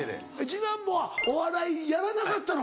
次男坊はお笑いやらなかったの？